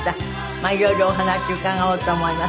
まあいろいろお話伺おうと思います。